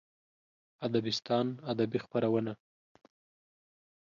ادبستان ادبي خپرونه